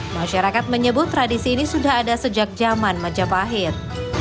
masyarakat menyebut tradisi ini sudah ada sejak zaman majapahit